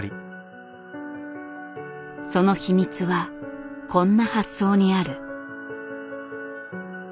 その秘密はこんな発想にある。